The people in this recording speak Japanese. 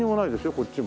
こっちも。